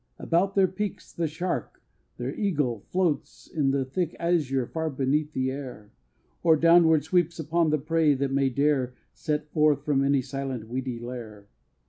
About their peaks the shark, their eagle, floats, In the thick azure far beneath the air, Or downward sweeps upon what prey may dare Set forth from any silent weedy lair.